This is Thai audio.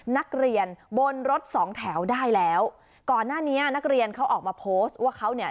นักเรียนบนรถสองแถวได้แล้วก่อนหน้านี้นักเรียนเขาออกมาโพสต์ว่าเขาเนี่ย